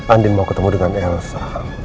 andin mau ketemu dengan elsa